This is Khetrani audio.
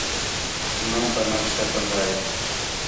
ناں تا نشہ گندا ہے